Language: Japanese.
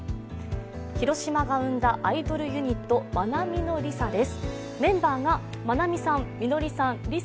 広島が生んだアイドルユニットまなみのりさです。